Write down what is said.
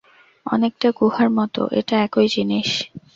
অনেকটা, গুহার মত, এটা একই জিনিস।